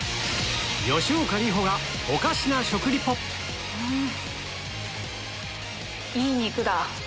吉岡里帆がおかしな食リポん。